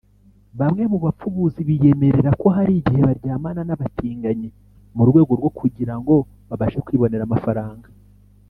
Bamwe mu bapfubuzi biyemerera ko hari igihe baryamana n’abatinganyi mu rwego rwo kugira ngo babashe kwibonera amafaranga